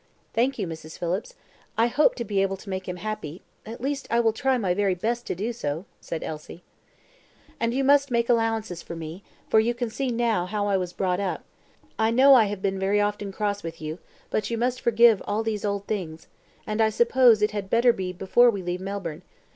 "Thank you, Mrs. Phillips. I hope to be able to make him happy at least I will try my very best to do so." said Elsie. "And you must make allowances for me, for you can see how I was brought up. I know I have been very often cross with you, but you must forgive all these old things; and I suppose it had better be before we leave Melbourne.